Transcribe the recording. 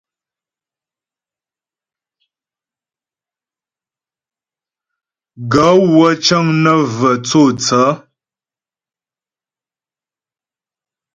Gaə̌ wə́ cə́ŋ nə́ və tsô tsaə̌.